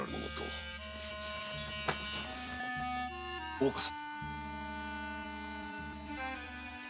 大岡様。